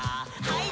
はい。